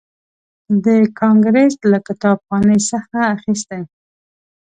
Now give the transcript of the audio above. د کانګریس له کتابخانې څخه اخیستی.